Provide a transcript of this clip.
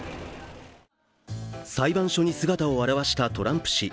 裁判所に姿を現したトランプ氏。